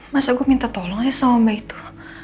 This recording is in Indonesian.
masa gua minta tolong sih sama mbak itu